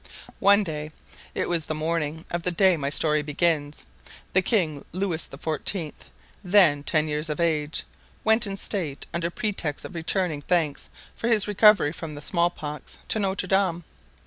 One day—it was the morning of the day my story begins—the king, Louis XIV., then ten years of age, went in state, under pretext of returning thanks for his recovery from the small pox, to Notre Dame.